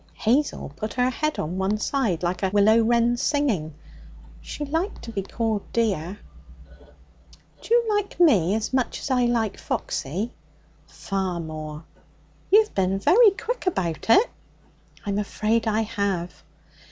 Hazel put her head on one side like a willow wren singing. She liked to be called dear. 'D'you like me as much as I like Foxy?' 'Far more.' 'You've bin very quick about it.' 'I'm afraid I have.'